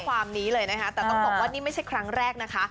ความนี้เลยนะคะแต่ต้องบอกว่านี่ไม่ใช่ครั้งแรกนะคะ